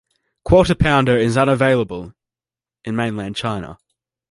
Quarter-Pounder is unavailable in mainland China.